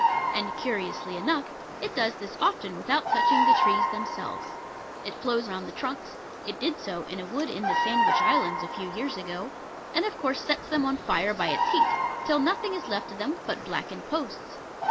And (curiously enough) it does this often without touching the trees themselves. It flows round the trunks (it did so in a wood in the Sandwich Islands a few years ago), and of course sets them on fire by its heat, till nothing is left of them but blackened posts.